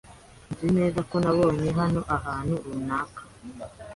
Nzi neza ko nabonye hano ahantu runaka.